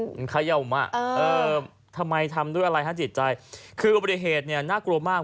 มันขย่ำอ่ะเออทำไมทำด้วยอะไรฮะจิตใจคืออุบัติเหตุเนี่ยน่ากลัวมาก